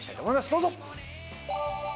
どうぞ。